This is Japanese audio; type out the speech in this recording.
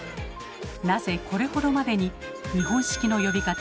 なぜこれほどまでに日本式の呼び方